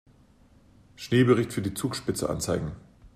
Schneebericht für die Zugspitze anzeigen.